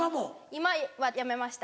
今は辞めました。